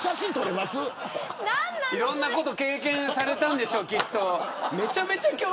いろんなことを経験されたんでしょう。